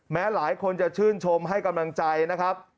หลายคนจะชื่นชมให้กำลังใจนะครับ